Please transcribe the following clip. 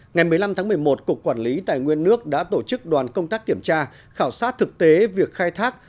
ngày một mươi năm tháng một mươi một cục quản lý tài nguyên nước đã tổ chức đoàn công tác kiểm tra khảo sát thực tế việc khai thác